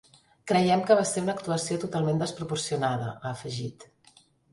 “Creiem que va ser una actuació totalment desproporcionada”, ha afegit.